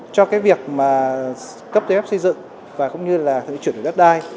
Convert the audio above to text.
cho cái việc mà cấp tuyết xây dựng và cũng như là chuyển đổi đất đai